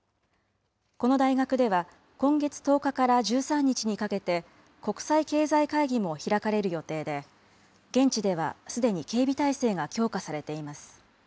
この大学では、今月１０日から１３日にかけて、国際経済会議も開かれる予定で、現地ではすでに警備態勢が強化されています。